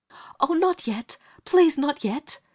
"Oh, not yet! Please, not yet!"